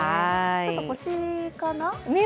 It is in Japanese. ちょっと星かな？